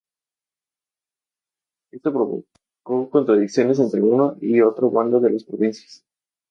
Allí logró ser portada de la revista "Cosmopolitan" como principal proeza.